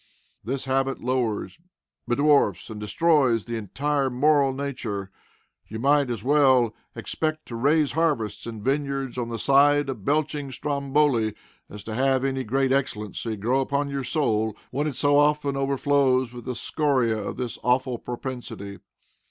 This habit lowers, bedwarfs, and destroys the entire moral nature. You might as well expect to raise harvests and vineyards on the side of belching Stromboli as to have any great excellency grow upon your soul when it so often overflows with the scoriæ of this awful propensity.